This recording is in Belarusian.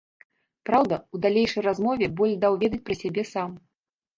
Праўда, у далейшай размове боль даў ведаць пра сябе сам.